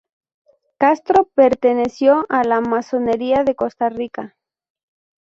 Castro perteneció a la Masonería de Costa Rica.